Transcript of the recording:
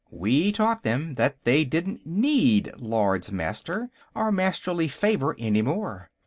We taught them that they didn't need Lords Master, or Masterly favor, any more.